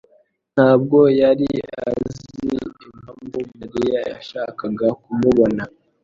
ntabwo yari azi impamvu Mariya yashakaga kumubona.